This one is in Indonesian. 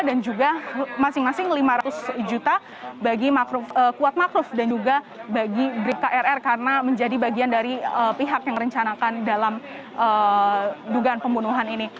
dan juga masing masing lima ratus juta bagi kuat makruf dan juga bagi krr karena menjadi bagian dari pihak yang merencanakan dalam dugaan pembunuhan ini